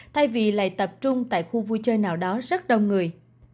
thay vì lại tập trung tại khu vui chơi nào đó rất đông người